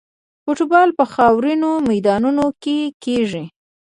فوټبال په خاورینو میدانونو کې کیږي.